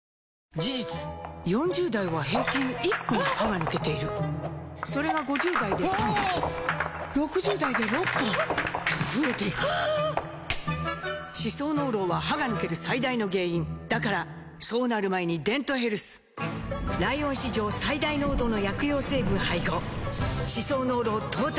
事実４０代は平均１本歯が抜けているそれが５０代で３本６０代で６本と増えていく歯槽膿漏は歯が抜ける最大の原因だからそうなる前に「デントヘルス」ライオン史上最大濃度の薬用成分配合歯槽膿漏トータルケア！